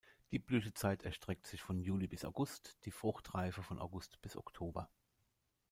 Die Blütezeit erstreckt sich von Juli bis August, die Fruchtreife von August bis Oktober.